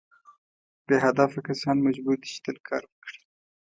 بې هدفه کسان مجبور دي چې تل کار وکړي.